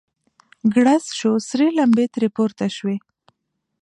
ګړز سو سرې لمبې ترې پورته سوې.